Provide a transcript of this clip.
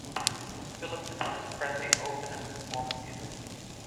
Phillips and Elvis Presley opened a new form of music.